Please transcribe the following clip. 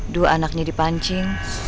dua anaknya dipancing